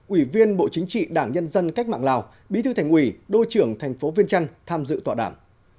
ủy viên bộ chính trị đảng nhân dân cách mạng lào bí thư thành ủy đô trưởng thành phố viên trăn tham dự tọa đảng